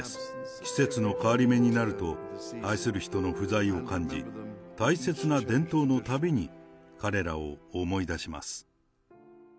季節の変わり目になると、愛する人の不在を感じ、大切な伝統のたびに彼らを思い出します。